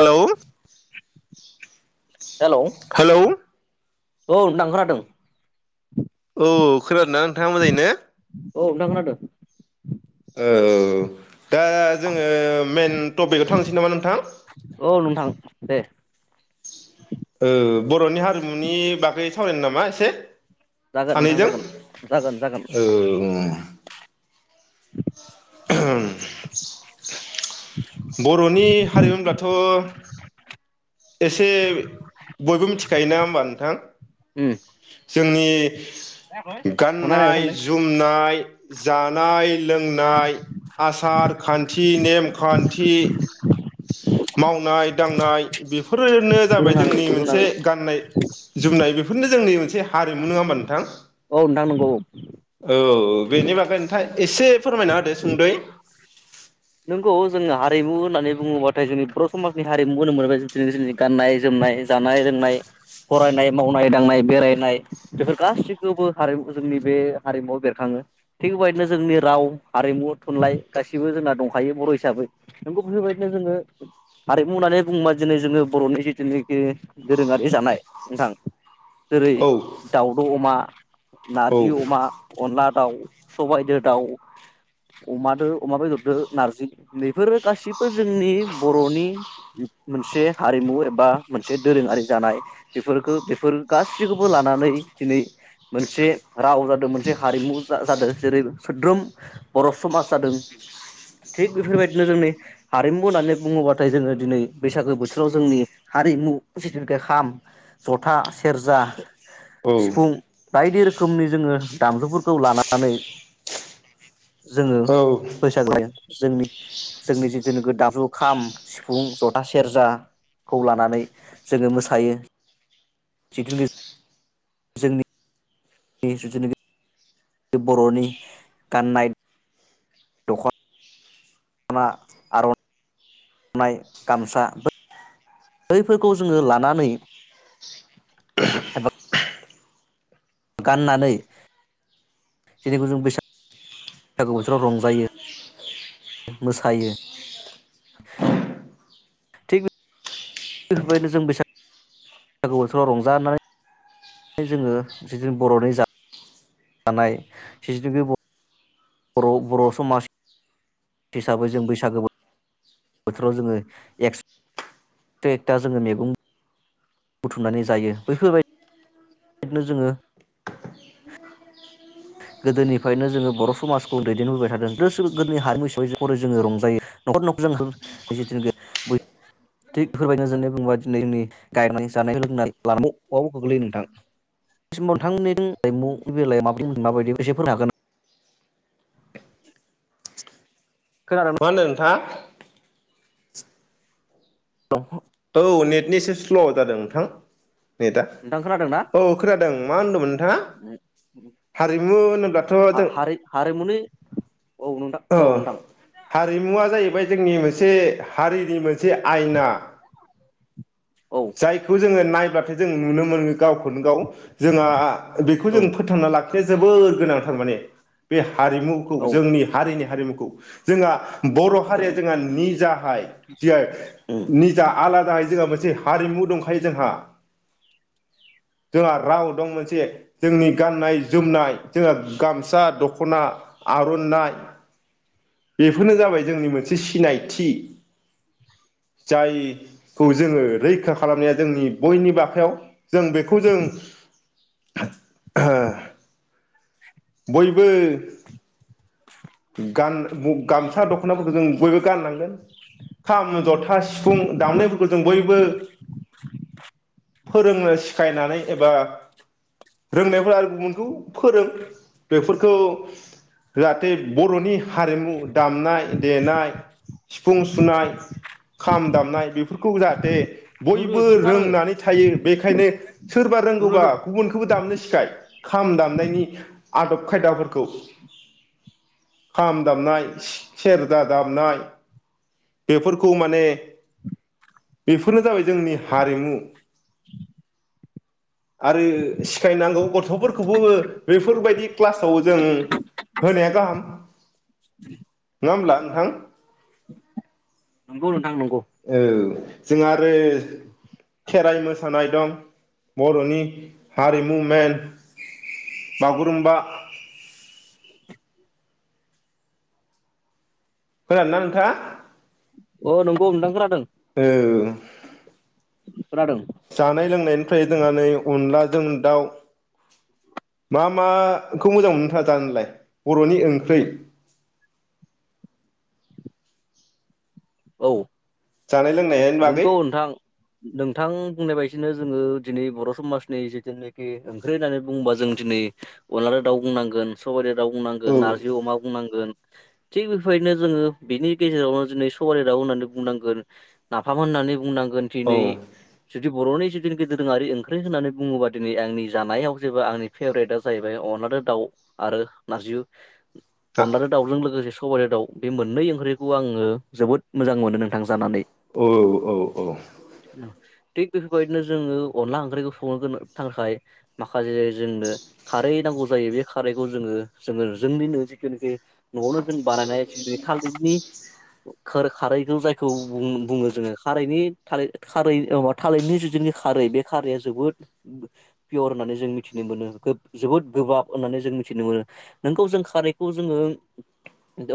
Hello hello औ नोंथां खोनादों। औ खोनादोंना नोंथाङा मोजाङैनो? औ नोंथां खोनादों ओ ओ‌ औ दा जोङो मेन टपिकआव थांनोसै नामा नोंथां? औ नोंथां दे ओ बर'नि हारिमुनि बागै सावरायनो नामा? मा एसे जागोन नोंथां सानैजों जागोन जागोन जागोन औ। [unintelligible] ओहम बर'नि हारिमु होनब्लाथ' एसे बयबो मिथिखायो ना होमबा नोंथां? उम जोंनि थांनाय थांलाय गाननाय-जुमनाय जानाय लोंनाय आसार-खान्थि, नेमखान्थि, मावनाय-दांनाय बेफोरनो जाबाय रुना जोंनि हो रुना मोनसे हो गाननाय-जोमनाय बेफोरनो जोंनि मोनसे से हारिमु नङा होमबा नोंथां? औ नोंथां नंगौ औ औ बेनि बागै नोंथां एसे फोरमायना होदो सुंद'यै। [inaudible] नोंगौ जोङो हारिमु होननानै बुङोबाथाय जोंनि बर' समाजनि हारिमु होनो मोन दिन जोंनि गाननाय- जोमनाय, जानाय -लोंनाय, फरायनाय, मावनाय- दांनाय, बेरायनाय बेफोर गासिखौबो हारिमु जोंनि बे हारिमुआव बेरखाङो। थिग बेबायदिनो जोंनि राव हारिमु थुनलाइ गासिबो जोंना दंखा यो बर' हिसाबै नोंगौ बेफोरबायदिनो जोङो हारिमु होननानै बुङोबा दिनै जोङो बर'नि जिथुनाखि दोरोङारि जानाय नोंथां। जेरै औ दाउद' अमा औ नारजि अमा अनला दाउ सबायाइजो दाउ, अमादो अमा बेदरदो नारजि बेफोरो गासिबो जोंनि बर'नि मोनसे हारिमु एबा मोनसे दोरोङारि जानाय बेफोरखौ बेफोर गासैखौबो लानानै दिनै मोनसे राव जादों। मोनसे हारिमु जादों जेरै सोद्रोम बर' समाज जादों। थिग बेफोरबायदिनो जोंनि हारिमु होननानै बुङोबाथाय जोङो दिनै बैसागो बोथोराव जोंनि हारिमु जिथुनिखि खाम, जथा, सेरजा, औ सिफुं बाइदि रो खोमनि जोङो दामजुफोरखौ लानानै जोङो [unintelligible] जोंनि-जोंनि जिथुनोखि दामजु खाम, सिफुं, जथा, सेरजाखौ लानानै जोङो मोसायो जिथुनोखि जोंनि नि जिथुनिखि बर'नि गाननाय दख' ना आर'न नाय गामसा बो बैफोरखौ जोङो लानानै एबा गाननानै [unintelligible] जों बैसा‌ बैसागु बोथोराव रंजायो। मोसायो। [inaudible] थिग बेफोरबायदिनो जों बैसागु बोथोराव रंजानानै जोङो जिथु बर'नि जा जानाय जिथुनिखि ब बर' बर' समाज। हिसाबै जों बैसागो बोथोराव डेक्स एकथा जोङो मेगं बुथुमनानै जायो बैफोर बायद नो जोङो गोदोनिफ्रायनो जोङो बर' समाजखौ दैदेनबोबाय थादों गासेबो गोदोनि हारिमु हिसाबै जोङो रंजायो [unintelligible] मा बायदिखौ एसेफोर हागोन। खोनादों मा होन्दों नोंथाङा? [inaudible] औ नेटनिसे स्ल' जादों नोंथां। नेटदा नोंथां खोनादोंना? औ खोनादों मा होनदोंमोन नोंथाङा? हारिमु होनोब्लाथ' जों हा-हारि-हारिमुनि औ हारिमुआ जाहैबाय जोंनि मोनसे हारिनि मोन से आयना। औ जायफोर जोङो नायब्लाथाय जों नुनो मोनो गावखौनो गाव जोंहा बेखौ जों औ फोथांना लाख बे जोबोर गोनांथार माने बे हारिमुखौ जोंनि हारिनि हारिमुखौ जोंहा बर' हारिया जोंहा निजाहाय जियाय उम नि दा आलादा जोङो मोनसे हारिमु दंखायो जोंहा जोंहा राव दं मोनसे जोंनि गाननाय जोमनाय जोंहा गामसा दख'ना आर'नाइ बेफोरनो जाबाय जोंनि मोनसे सिनायथि जाय खौ जोङो रैखा खालामनाया जोंनि बयनिबो आखायाव जों बेखौ जों ओ। बयबो गान गामसा दख'नाफोरखौ जों बयबो गाननांगोन खाम, जथा, सिफुं दामनायफोरखौ जों बयबो फोरोंनो सिखायनानै एबा रोंनायफोरा गुबुनखौ फोरों बेफोरखौ जाहाथे बर'नि हारिमु दामनाय देनाय सिफुं सुनाय खाम दामनाय। फोरखौ जाहाथे जुरो बयबो जुरथारो रोंनानै थायो बेखायनो सोरबा रोंगौबा जुरोरोब गुबुनखौबो दामनो सिखाय खाम दामनायनि आदब खायदाफोरखौ खाम दामनाय सेरजा दामनाय बेफोरखौ माने बेफोरनो जाबाय जोंनि हारिमु आरो सिखायनांगौ गथ' फोरखौबो बेफोरबाय क्लासाव जों होनाया गाहाम नङा होमब्ला नोंथां। नंगौ नों औ जोंहा ओ खेराइ मो सानाय दं बर'नि हारिमु मेन बागुरुम्बा खानादोना नोंथाङा? अ नंगौ नोंथां खोनादों। ओं खोनादों जानाय लोंनायनिफ्राय जोंहा नै अनलाजों दाउ मा मा खौ मोजां मोनो नोंथां जानोलाय बर'नि ओंख्रै औ जानाय लोंनायनि नंगौ बागै नोंथां नोंथां बुंनाय बाय दिनो जोङो दिनै बर समाजनि जितुनोखि ओंख्रि होननानै बुङोबा जों दिनै अनलाजो दाउ बुंनांगोन, सबायदो औ बुंनांगोन नारजि अमा बुंनां गोन थिग बेफो बायदिनो जोङो बेनि गेजेरावनो दिनै सबायजो दाव होननानै बुंनांगोन नाफाम होननानै बुंनां गोन औ दिनै जुदि बर'नि [unintelligible] [unintelligible] दोरोङारि ओंख्रै होननानै बुङोबा दिनै आंनि जानायाव जेबो आंनि फेभरेटआ जाहैबाय अनलादो दाउ आरो नारजि अनलादो दाउजों लोगोसे स [unintelligible] दाउ बे मोननै ओंख्रिखौ आङो जोबोद मोजां मोनो नोंथां जानानै। औ औ औ टिग बेफोरबायदिनो जोङो अनला ओंख्रिखौ संनो गोनो थाखाय माख [unintelligible] जोंनो खारै नांगौ जायो बे खारैखौ जोङो जोङो जोंनिनो जिखुनोखि न'आवनो जों बानायनाय [unintelligible] थालिरनि खोर खारैखौ जायखौ बुं बुङो जोङो खारैनि [unintelligible] थालिरनि जि जोंनि खारै बे खारैया जोबोद पियर होननानै जों मिथिनो मोनो गोब जोबोद गोबाब ओननानै जों मिथिनो मोनो। नोंगौ जों खारैखौ जोङो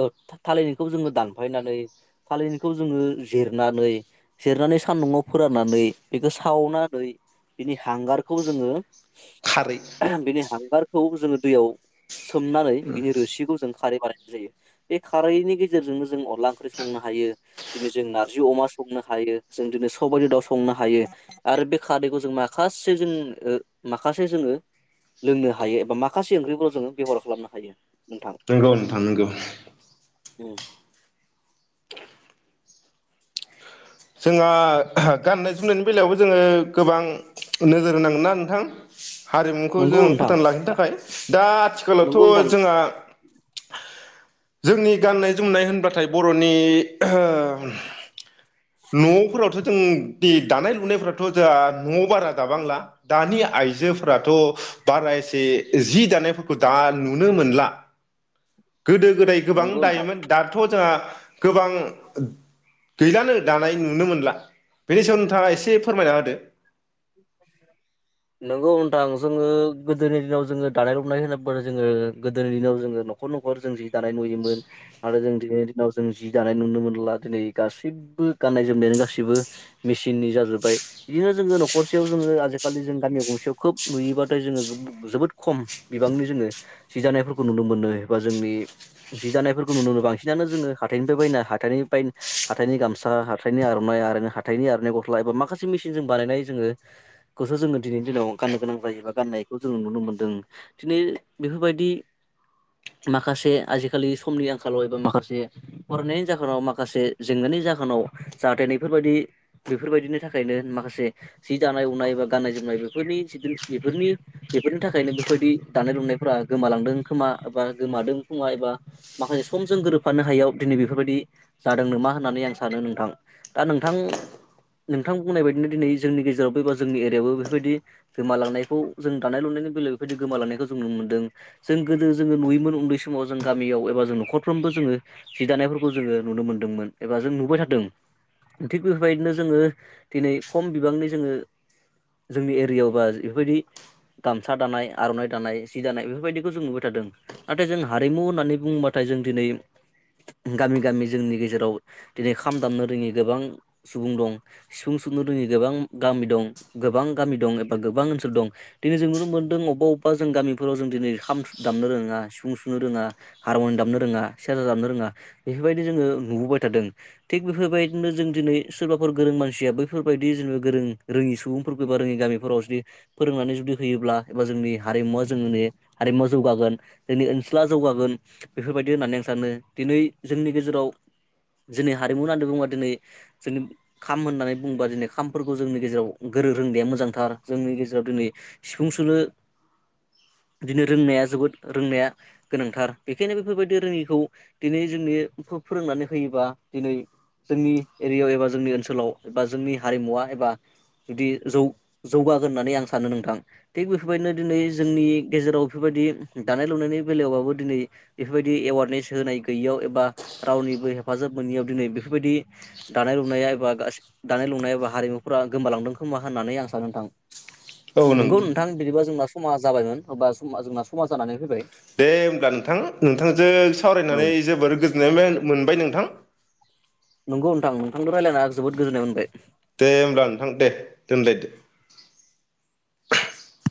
ओ थालिरनिखौ जोङो दान फायनानै थालिरखौ जोङो जिरनानै जिरनानै सान्दुंआव फोराननानै बेखो सावनानै बिनि हांगारखौ जोङो खारै बिनि हांगार खौ जोङो दैयाव सोमनानै बिनि रोसिखौ जों खारै बानाय जायो बे खारैनि गेजेरजोंनो जो जों अनला ओंख्रि संनो हायो दिनै जों नार्जि अमा संनो हायो जों दिनै सबायदो दाउ संनो हायो आरो बे खारैखौ जों माखासे जों ओ माखासे जोङो लोंनो हायो एबा माखासे ओंख्रिखौलजोङो बेबहार खालामनो हायो। नोंथां नोंगौ नोंथां नोंगौ। उम जों आं गाननाय जोमनायनि बेलायावबो जोङो गोबां नोजोर होनांगोना नोंथां। हारिमुखो नंगौ जों नोंथां फोथांना लाखिनो थाखाय दा आथिखालावथ' नंगौ नोंथां जोङा जोंनि गाननाय जोमनाय होनबाथाय बरनि [unintelligible] न'फोरावथ जों दे दानाय लुनायफोराथ जोंहा न'आव बारा दाबांला दानि आइजोफोराथ बारा एसे जि दानायफोरखौ दा नुनो मोनला गोदो गोदाय गोबां नंगौ नोंथां दायोमोन दाथ जोआ गोबां गैलानो दानाय नुनो मोनला बेनि सायाव नोंथाङा इसे फोरमायना होदो नोंगौ नोंथां जोङो गोदोनि दिनाव जोंङो दानाय लुनाय होनोबानो जोंङो गोदोनि दिनाव जोंङो न'खर न'खर जि दानाय नुयोमोन आरो जों दिनैनि दिनाव जों जि दानाय नुनो मोनला दिनै गासैबबो गाननाय जोमनायानो गासैबो मिसिननि जाजोब्बाय इदिनो जोङो न'ख करसेयाव जोंङो आजिखालि जों गामियाव गंसेयाव खोब नुयोबाथाय जोङो गोब जोबोद खम बिबांनि जोङो सि दानायफोरखौ नुनो मोननो एबा जोंनि जि दानायफोरखौ नुनो बो बांसिनानो जोङो हाथाइनिफाय बायना हाथाइनिफाय हाथाइनि गामसा हाथाइनि आर'नाइ आरैनो हाथाइनि आर'नाइ गस्ला एबा माखासे मिसिन जों बानायनाय जोङो खौसो जोंनो दिनै दिनाव गाननो गोनां जायोबा गाननायखौ जोङो नुनो मोनदों दिनै बेफोरबायदि माखासे आजिखालि समनि आंखालाव एबा माखासे फरायनायनि जाहोनाव माखासे जेंनानि जाहोनाव जाहाथे नैफोरबायदि बेफोरबायदिनि थाखायनो माखासे जि दानाय लुनाय एबा गाननाय जोमनाय बेफोरनि जिदोन बेफोरनि बेफोरनि थाखायनो बेफोरदि दानाय लुनायफोरा गोमालांदों खोमा एबा गोमादों खोमा एबा माखासे समजों गोरोबफानो हायियाव दिनै बेफोरबायदि जादों नोमा होननानै आं सानो नोंथां दा नोंथां नोंथां बुंनाय बायदिनो दिनैज जोंनि गेजेरावबो एबा जोंनि एरियायावबो बेफोरबायदि गोमालांनायखौ जों दानाय लुनायनि बेलायाव बेफोरबायदि गोमालांनायखौ जों नुनो मोनदों जों गोदो जोङो नुयोमोन उन्दै समाव जों गामियाव एबा जों न'खरफ्रोमबो जोङो जि दानायफोरखौ जोङो नुनो मोनदोंमोन एबा जों नुबाय थादों थिग बेफोरबायदिनो जोङो दिनै खम बिबांनि जोङो जोंनि एरियाव बा इफोरबायदि गामसा दानाय आर'नाइ दानाय जि दानाय बेफोरबायदिखौ जों नुबाय थादों नाथाय जों हारिमु होननानै बुङोबाथाय जों दिनै गामि गामि जोंनि गेजेराव दिनै खाम दामनो रोङि गोबां सुबुं दं सिफुं सुनो रोङि गोबां गामि दं गोबां गामि दं एबा गोबां ओनसोल दं दिनै जों नुनो मोनदों अबवबा अबवबा जों गामिफोराव जों दिनै खाम सु दामनो रोङा सिफुं सुनो रोङा हारमनि दामनो रोङा सेरजा दामनो रोङा बेफोरबायदि जोङो नुबोबाय थादों थिग बेफोरबायदिनो जों दिनै सोरबाफोर गोरों मानसिया बैफोर फोरबायदि जोंङो गोरों रोङि सुबुंफोर फैबा रोङि गामिफोराव जुदि फोरोंनानै जुदि होयोब्ला एबा जोंनि हारिमुवा जोंनि हारिमुवा जौगागोन जोंनि ओनसोला जौगागोन बेफोरबायदि होननानै आं सानो दिनै जोंनि गेजेराव जोनि हारिमु होननानै बुङोबा दिनै जोंनि खाम होननानै बुंबा दिनै खाम एबा जोंनि हारिमुवा एबा जुदि जौ जौगागोन होननानै आं सानो नोंथां थिग बेफोरबायदिनो दिनै जोंनि गेजेराव बेफोरबायदि दानाय लुनायनि बेलायावबाबो दिनै इफोरबायदि एवारनेस होनाय गैयियाव एबा रावनिबो हेफाजाब मोनियाव दिनै बेफोरबायदि दानाय लुनाया एबा गासै दानाय लुनाय एबा हारिमुफोरा गोमालांदों खोमा होननानै आं सानो नोंथां औ नों नोंगौ नोंथां बिदिबा जों मास खमा जाबायमोन होबा समा जोंना समा जानानै फैबाय दे ओब्ला नोंथां नोंथांजों औ सावरायनानै जोबोर गोजोननाय मेन मोनबाय नोंथां नंगौ नोंथां नोंथांदो रायलायना जोबोद गोजोन्नाय मोन ओइ दे ओमब्ला नोंथां दे दोनलायदो [unintelligible]